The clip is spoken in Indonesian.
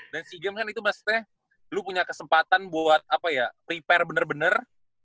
dan sea games kan itu maksudnya lu punya kesempatan buat apa ya prepare bener bener